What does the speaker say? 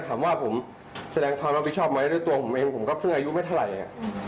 ถามว่าผมแสดงความรับผิดชอบไหมด้วยตัวผมเองผมก็เพิ่งอายุไม่เท่าไหร่